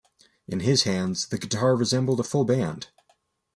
In his hands, the guitar resembled a full band.